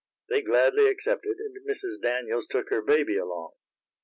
They gladly accepted, and Mrs. Daniels took her baby along.